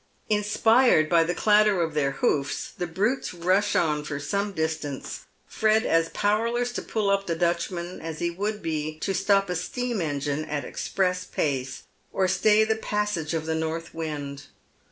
Inspired by the clatter of their hoofs the brutes rush on for some distance, Fred as powerless to pull up the Dutchman as he would be to stop a steam engine at express pace, or stay the pas sage of the north wind.